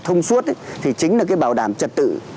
thông suốt thì chính là cái bảo đảm trật tự